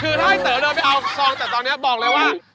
คือถ้าไอเต๋อเดินไปเอาซองแต่ตอนนี้บอกเลยว่า